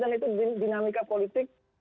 dan itu dinamika politik